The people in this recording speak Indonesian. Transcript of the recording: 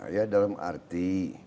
ya dalam arti